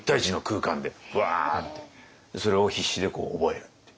それを必死でこう覚えるっていう。